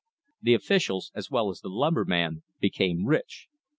The officials, as well as the lumberman, became rich.